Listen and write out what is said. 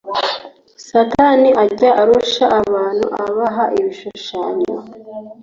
satani ajya arushya abantu, abaha ibishushanyo